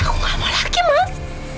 aku gak ada lagi mas